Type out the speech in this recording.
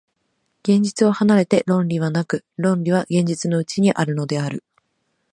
現実を離れて論理はなく、論理は現実のうちにあるのである。